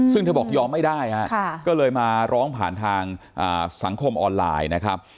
ซึ่งเธอบอกยอมไม่ได้ฮะก็เลยมาร้องผ่านทางสังคมออนไลน์นะครับ